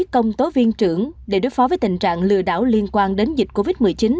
công tố viên trưởng để đối phó với tình trạng lừa đảo liên quan đến dịch covid một mươi chín